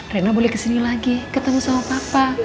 rena boleh kesini lagi ketemu sama papa